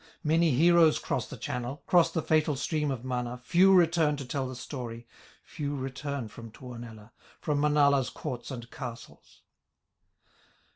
Many heroes cross the channel, Cross the fatal stream of Mana, Few return to tell the story, Few return from Tuonela, From Manala's courts and castles."